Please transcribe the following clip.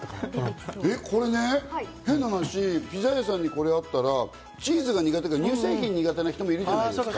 変な話、ピザ屋さんにこれがあったら、チーズが苦手、乳製品が苦手な人がいるじゃないですか。